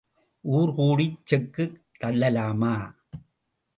ஊர் கூடிச் செக்குத் தள்ளலாமா?